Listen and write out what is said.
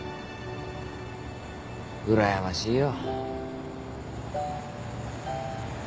うらやましいよ。